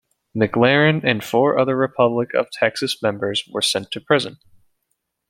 McLaren and four other Republic of Texas members were sent to prison.